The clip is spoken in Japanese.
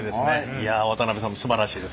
いや渡さんもすばらしいです。